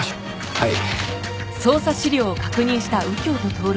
はい。